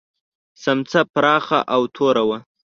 سمڅه پراخه او توره وه.